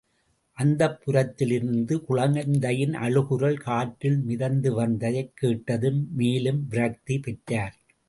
அந்தப்புரத்திலிருந்து குழந்தையின் அழுகுரல் காற்றில் மிதந்துவந்ததைக் கேட்டதும் மேலும் விரக்தி பெற்றார்.